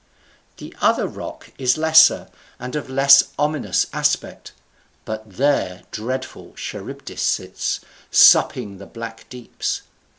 The other rock is lesser, and of less ominous aspect; but there dreadful Charybdis sits, supping the black deeps.